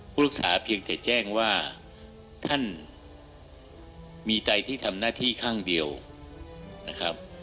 รักษาเพียงแต่แจ้งว่าท่านมีใจที่ทำหน้าที่ข้างเดียวนะครับ